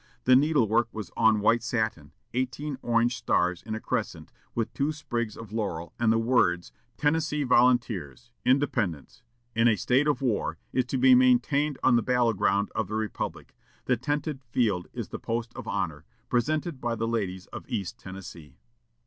The needle work was on white satin; eighteen orange stars in a crescent, with two sprigs of laurel, and the words, "Tennessee Volunteers Independence, in a state of war, is to be maintained on the battle ground of the Republic. The tented field is the post of honor. Presented by the ladies of East Tennessee."